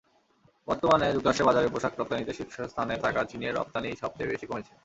বর্তমানে যুক্তরাষ্ট্রের বাজারে পোশাক রপ্তানিতে শীর্ষস্থানে থাকা চীনের রপ্তানিই সবচেয়ে বেশি কমেছে।